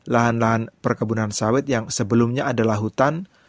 lahan lahan perkebunan sawit yang sebelumnya adalah hutan